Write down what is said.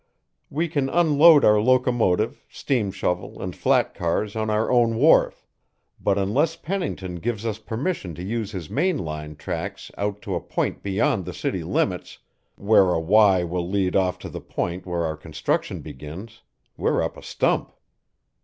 We can unload our locomotive, steam shovel, and flat cars on our own wharf, but unless Pennington gives us permission to use his main line tracks out to a point beyond the city limits where a Y will lead off to the point where our construction begins we're up a stump."